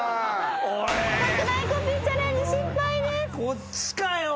こっちかよ。